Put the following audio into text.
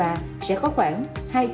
áp lực đáo hàng lớn